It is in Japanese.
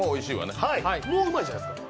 もううまいじゃないですか。